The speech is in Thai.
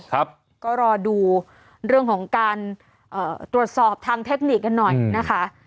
ครับก็รอดูเรื่องของการเอ่อตรวจสอบทางเทคนิคกันหน่อยนะคะ